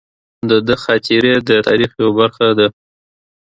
د ده خاطرې د تاریخ یوه برخه ده.